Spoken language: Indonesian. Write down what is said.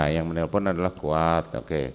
yang menelpon adalah kuat